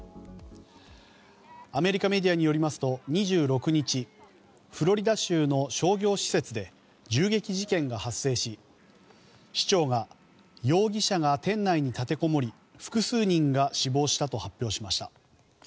アメリカメディアによりますと２６日フロリダ州の商業施設で銃撃事件が発生し市長が容疑者が店内に立てこもり複数人が死亡したと発表しました。